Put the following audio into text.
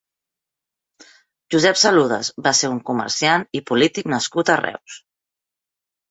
Josep Saludes va ser un comerciant i polític nascut a Reus.